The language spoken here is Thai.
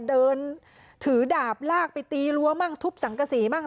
เดินถือดาบลากไปตีรั้วมั่งทุบสังกษีมั่ง